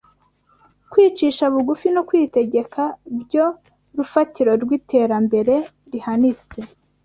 Kwicisha bugufi no kwitegeka byo rufatiro rw’iterambere rihanitse